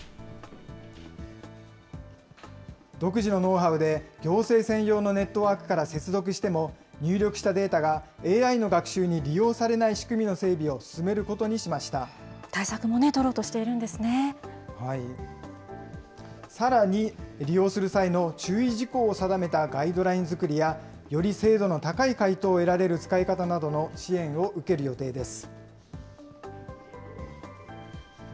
独自のノウハウで行政専用のネットワークから接続しても、入力したデータがＡＩの学習に利用されない仕組みの整備を進める対策も取ろうとしているんでさらに、利用する際の注意事項を定めたガイドライン作りや、より精度の高い回答を得られる使い方などの支援を受ける予定です。